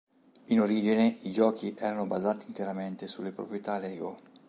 In origine, i giochi erano basati interamente sulle proprietà Lego.